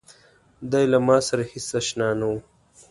دی له ماسره هېڅ آشنا نه و.